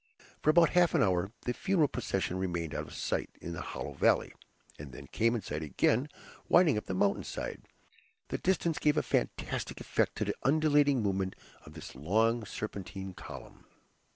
For about half an hour the funeral procession remained out of sight, in the hollow valley, and then came in sight again winding up the mountain side; the distance gave a fantastic effect to the undulating movement of this long serpentine column.